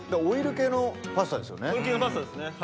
オイル系のパスタですね。